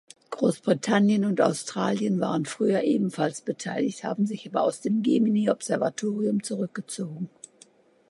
Großbritannien und Australien waren früher ebenfalls beteiligt, haben sich aber aus dem Gemini-Observatorium zurückgezogen.